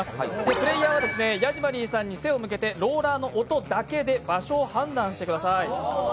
プレーヤーはヤジマリーさんに背を向けて、ローラーの音だけで場所を判断してください。